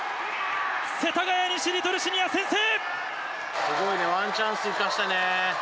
世田谷西リトルシニア先制！